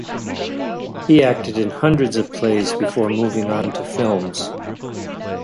He acted in hundreds of plays before moving on to films.